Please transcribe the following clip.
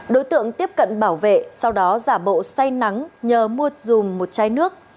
đối tượng tiếp cận bảo vệ sau đó giả bộ say nắng nhờ mua dùm một chai nước